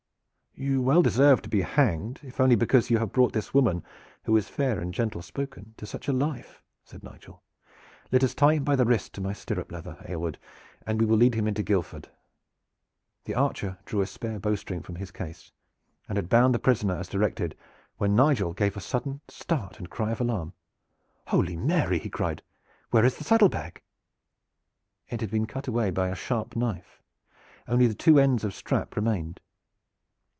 "You well deserve to be hanged, if only because you have brought this woman, who is fair and gentle spoken, to such a life," said Nigel. "Let us tie him by the wrist to my stirrup leather, Aylward, and we will lead him into Guildford." The archer drew a spare bowstring from his case and had bound the prisoner as directed, when Nigel gave a sudden start and cry of alarm. "Holy Mary!" he cried. "Where is the saddle bag?" It had been cut away by a sharp knife. Only the two ends of strap remained.